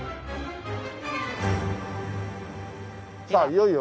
さあいよいよ。